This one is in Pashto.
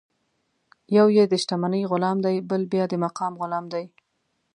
یو یې د شتمنۍ غلام دی، بل بیا د مقام غلام دی.